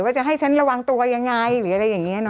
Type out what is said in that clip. จะให้ฉันระวังตัวยังไงหรืออะไรอย่างนี้